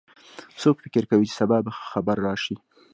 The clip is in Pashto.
څوک فکر کوي چې سبا به ښه خبر راشي